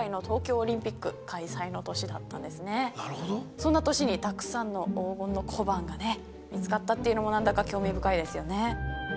そんな年にたくさんの黄金の小判が見つかったっていうのも何だか興味深いですよね。